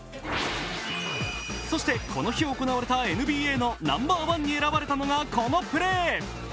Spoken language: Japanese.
そして、この日行われたＮＢＡのナンバーワンに選ばれたのがこのプレー。